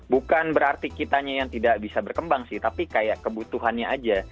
bukan berarti kitanya yang tidak bisa berkembang sih tapi kayak kebutuhannya aja